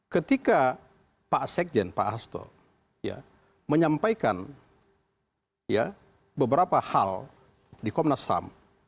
ketika pak sekjen pak hasto menyampaikan beberapa hal di komnas ham